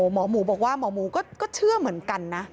หมอหมูบอกว่าหมอหมูก็เชื่อเหมือนกันนะ